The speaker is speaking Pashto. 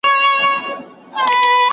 ¬ کټو په درې واره ماتېږي.